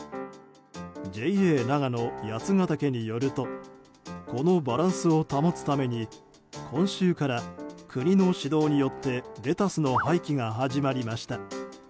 ＪＡ長野八ヶ岳によるとこのバランスを保つために今週から国の指導によってレタスの廃棄が始まりました。